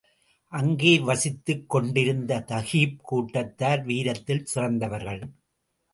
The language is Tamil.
அங்கே வசித்துக் கொண்டிருந்த தகீப் கூட்டத்தார் வீரத்தில் சிறந்தவர்கள்.